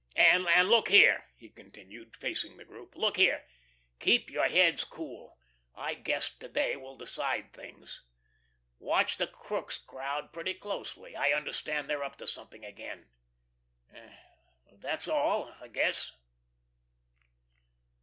And, look here," he continued, facing the group, "look here keep your heads cool ... I guess to day will decide things. Watch the Crookes crowd pretty closely. I understand they're up to something again. That's all, I guess."